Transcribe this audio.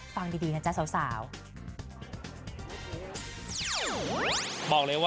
ฟังดีนะจ๊ะสาว